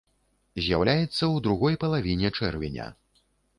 З'яўляецца ў другой палавіне чэрвеня.